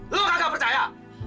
lo gak percaya